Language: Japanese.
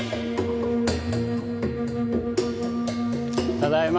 ただいま。